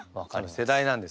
世代なんです。